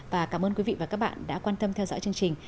và cảm ơn quý vị và các bạn đã quan tâm theo dõi chương trình